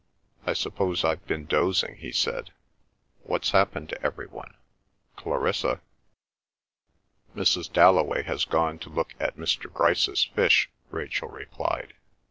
"I suppose I've been dozing," he said. "What's happened to everyone? Clarissa?" "Mrs. Dalloway has gone to look at Mr. Grice's fish," Rachel replied.